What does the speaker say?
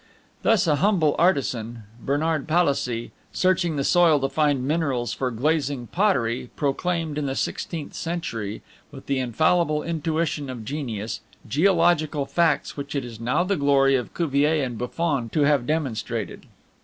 Thus a humble artisan, Bernard Palissy, searching the soil to find minerals for glazing pottery, proclaimed, in the sixteenth century, with the infallible intuition of genius, geological facts which it is now the glory of Cuvier and Buffon to have demonstrated.